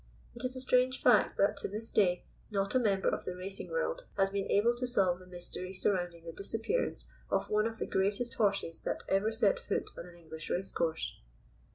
It is a strange fact that to this day not a member of the racing world has been able to solve the mystery surrounding the disappearance of one of the greatest horses that ever set foot on an English race course.